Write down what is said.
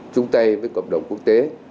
trung tay với cộng đồng quốc tế